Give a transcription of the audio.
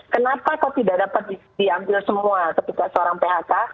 kenapa kok tidak dapat diambil semua ketika seorang phk